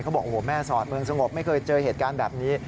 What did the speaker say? บอกโอ้โหแม่สอดเมืองสงบไม่เคยเจอเหตุการณ์แบบนี้